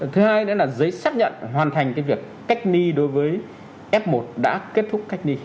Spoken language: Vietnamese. thứ hai nữa là giấy xác nhận hoàn thành cái việc cách ni đối với f một đã kết thúc cách ni